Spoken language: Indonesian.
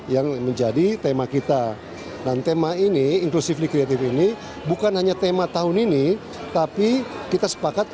yang menjadi tema kita dan tema ini inklusifly creative ini bukan hanya tema tahun ini tapi kita sepakat